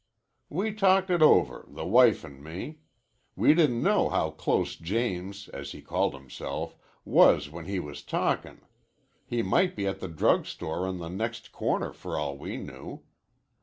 "We talked it over, the wife an' me. We didn't know how close James, as he called himself, was when he was talkin'. He might be at the drug store on the next corner for all we knew.